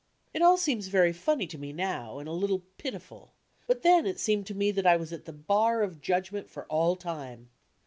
It all seems very funny to me now, and a litde pitiful; but then it seemed to me that I was at the bar of judgment for all ume.